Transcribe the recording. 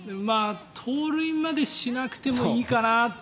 盗塁までしなくてもいいかなっていう。